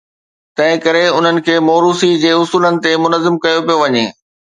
تنهنڪري انهن کي موروثي جي اصول تي منظم ڪيو پيو وڃي.